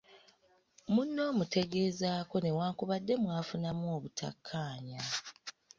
Munno omutegezaako newankubadde mwafunamu obutakkaanya.